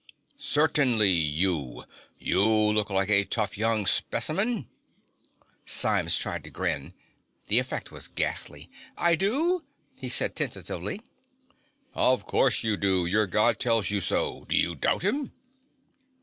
"Certainly you! You look like a tough young specimen." Symes tried to grin. The effect was ghastly. "I do?" He said tentatively. "Of course you do. Your God tells you so. Do you doubt him?"